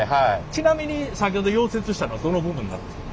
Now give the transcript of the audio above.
ちなみに先ほど溶接したのはどの部分なるんですか？